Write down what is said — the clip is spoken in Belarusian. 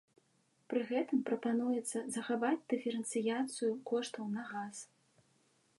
Пры гэтым прапануецца захаваць дыферэнцыяцыю коштаў на газ.